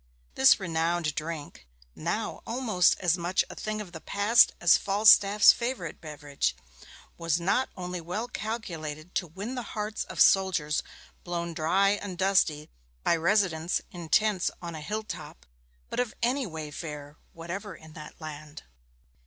This renowned drink now almost as much a thing of the past as Falstaff's favourite beverage was not only well calculated to win the hearts of soldiers blown dry and dusty by residence in tents on a hill top, but of any wayfarer whatever in that land.